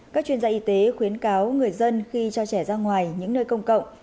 các chuyên gia y tế khuyến cáo người dân khi cho trẻ ra ngoài những nơi công cộng